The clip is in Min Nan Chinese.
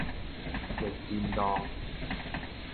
杏仁露